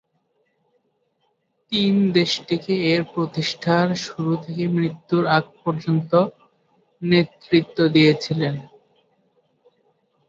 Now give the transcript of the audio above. তিন দেশটিকে এর প্রতিষ্ঠার শুরু থেকে মৃত্যুর আগ পর্যন্ত নেতৃত্ব দিয়েছিলেন।